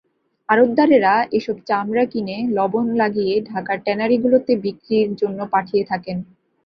আড়তদারেরা এসব চামড়া কিনে লবণ লাগিয়ে ঢাকার ট্যানারিগুলোতে বিক্রির জন্য পাঠিয়ে থাকেন।